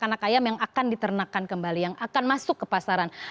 anak ayam yang akan diternakan kembali yang akan masuk ke pasaran